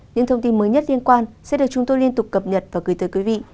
những thông tin mới nhất liên quan sẽ được chúng tôi liên tục cập nhật và gửi tới quý vị